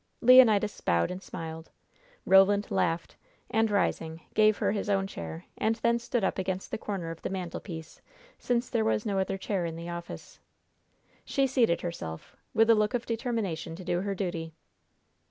Leonidas bowed and smiled. Roland laughed, and, rising, gave her his own chair, and then stood up against the corner of the mantelpiece, since there was no other chair in the office. She seated herself, with a look of determination to do her duty.